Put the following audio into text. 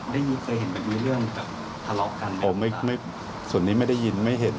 ได้ยินเคยเห็นแบบมีเรื่องแบบทะเลาะกันโอ้ไม่ไม่ส่วนนี้ไม่ได้ยินไม่เห็น